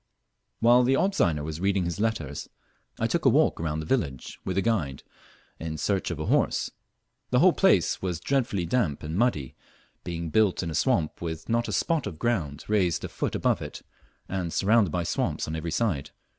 While the Opzeiner was reading his letters, I took a walk round the village with a guide in search of a horse. The whole place was dreadfully damp and muddy, being built in a swamp with not a spot of ground raised a foot above it, and surrounded by swamps on every side.